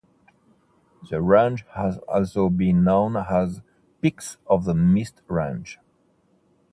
The range has also been known as Peaks of the Mist Range.